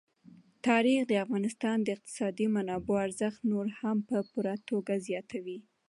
تاریخ د افغانستان د اقتصادي منابعو ارزښت نور هم په پوره توګه زیاتوي.